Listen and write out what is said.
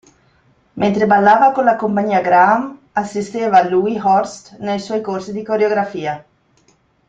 Mentre ballava con la compagnia Graham, assisteva Louis Horst nei suoi corsi di coreografia.